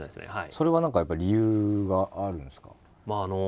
それは何かやっぱり理由があるんですか？